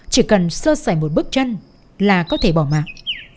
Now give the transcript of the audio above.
chỉ cần sơ sảy một bước chân là có thể bỏ mạng